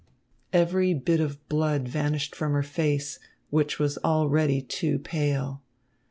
Every bit of blood vanished from her face, which was already too pale.